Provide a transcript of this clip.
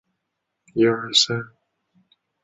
唐天佑年间曾修建高公桥一座以方便两岸来往。